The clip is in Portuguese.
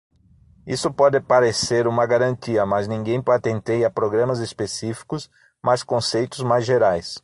Isso pode parecer uma garantia, mas ninguém patenteia programas específicos, mas conceitos mais gerais.